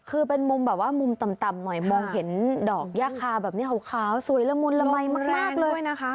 คือเป็นมุมแบบว่ามุมต่ำหน่อยมองเห็นดอกย่าคาแบบนี้ขาวสวยละมุนละมัยมากเลยนะคะ